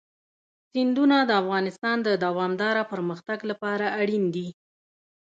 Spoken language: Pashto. سیندونه د افغانستان د دوامداره پرمختګ لپاره اړین دي.